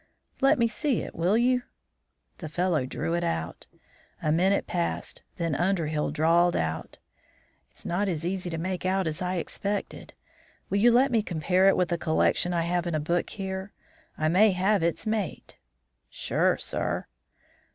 "Let me see it, will you?" The fellow drew it out. A minute passed, then Underhill drawled out: "It's not as easy to make out as I expected. Will you let me compare it with a collection I have in a book here? I may have its mate." "Sure, sir."